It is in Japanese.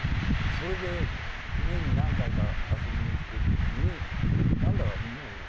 それで年に何回か遊びに行ってるうちになんだろう。